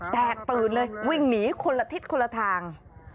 แตกตื่นเลยวิ่งหนีคนละทิศคนละทาง